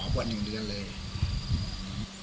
อ๋อบวช๑เดือนเลย